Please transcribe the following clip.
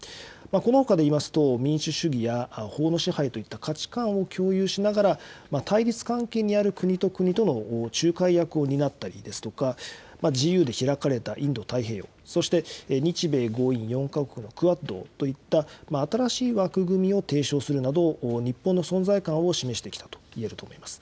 このほかでいいますと、民主主義や法の支配といった価値観を共有しながら、対立関係にある国と国との仲介役を担ったりですとか、自由で開かれたインド太平洋、そして日米豪印４か国のクアッドといった、新しい枠組みを提唱するなど、日本の存在感を示してきたといえると思います。